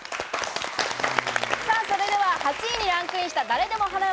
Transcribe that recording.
それでは８位にランクインした誰でも花嫁。